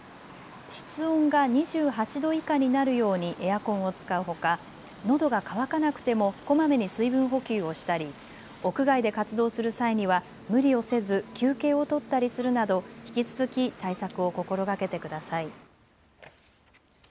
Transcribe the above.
室温が２８度以下になるようにエアコンを使うほか、のどが渇かなくてもこまめに水分補給をしたり屋外で活動する際には無理をせず休憩を取ったりするなど引き続き対策を心がけてください。